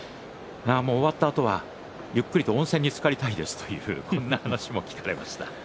終わったあとは、ゆっくりと温泉につかりたいですという話も聞かれました。